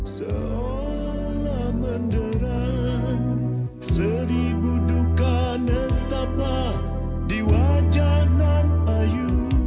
seolah menderang seribu duka nestapa di wajanan ayu